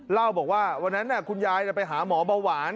เล่าบอกว่าวันนั้นคุณยายไปหาหมอเบาหวาน